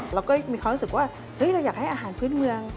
เราก็มีความรู้สึกว่าเราอยากให้อาหารพื้นเมือง